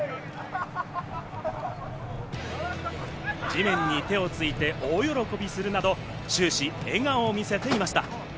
地面に手をついて大喜びするなど終始、笑顔を見せていました。